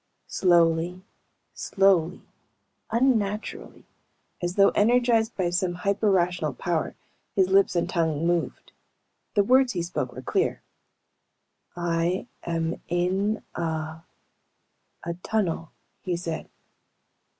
Slowly, slowly, unnaturally as though energized by some hyper rational power his lips and tongue moved. The words he spoke were clear. "I am in a ... a ... tunnel," he said.